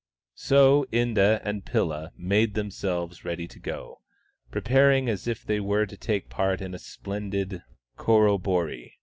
" So Inda and Pilla made themselves ready to go, preparing as if they were to take part in a splendid corroboree.